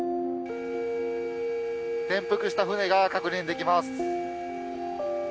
転覆した船が確認できます。